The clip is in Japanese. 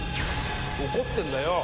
怒ってんだよ！